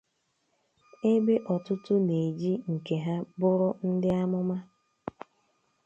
ebe ọtụtụ na-eji nke ha bụrụ ndị amụma